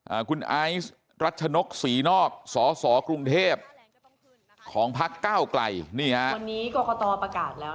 อ่าคุณอายรัชนกษีนอกสสกรุงเทพฯของพก้าวกล่ายนี่ฮะ